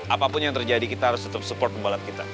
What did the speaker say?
apapun yang terjadi kita harus tetap support pembalap kita